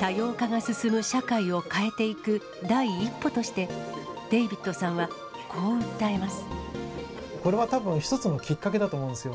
多様化が進む社会を変えていく第一歩として、これはたぶん、一つのきっかけだと思うんですよ。